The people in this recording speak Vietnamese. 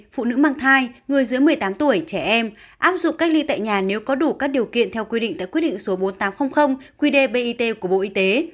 phụ nữ mang thai người giữa một mươi tám tuổi trẻ em áp dụng cách ly tại nhà nếu có đủ các điều kiện theo quy định tại quy định số bốn nghìn tám trăm linh quy đề bit của bộ y tế